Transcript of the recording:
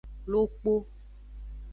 Lokpo.